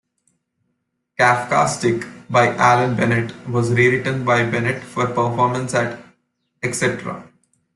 "Kafka's Dick" by Alan Bennett, was rewritten by Bennett for performance at the Etcetera.